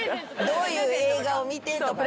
どういう映画を見てとかね。